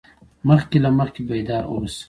مخکې له مخکې بیدار اوسه.